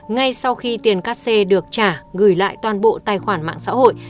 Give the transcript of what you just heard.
ngay sau khi tiền cát xê được trả gửi lại toàn bộ tài khoản mạng xã hội